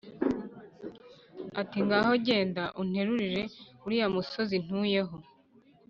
ati: "ngaho genda unterurire uriya musozi ntuyeho,